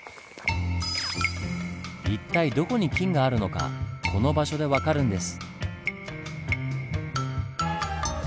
一体どこに金があるのかこの場所で分かるんです。